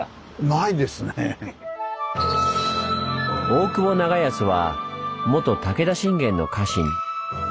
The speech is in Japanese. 大久保長安は元武田信玄の家臣。